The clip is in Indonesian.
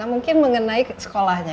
mungkin mengenai sekolahnya